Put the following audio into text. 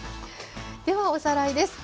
ではおさらいです。